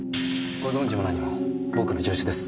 ご存じも何も僕の助手です。